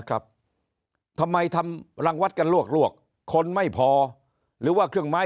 ครับทำไมทำรังวัดกันลวกลวกคนไม่พอหรือว่าเครื่องไม้